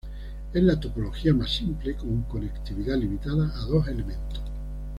Es la topología más simple, con conectividad limitada a dos elementos.